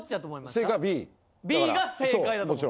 Ｂが正解だと思う。